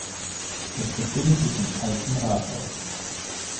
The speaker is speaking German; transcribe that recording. Es befindet sich im Alten Rathaus.